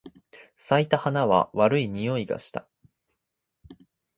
咲いた花は悪い匂いがした。